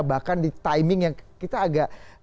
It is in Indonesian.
bahkan di timingnya kita agak